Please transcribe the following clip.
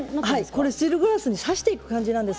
スチールグラスに挿していく感じです。